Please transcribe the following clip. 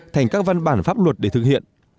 thành các văn bản pháp luật để thực hiện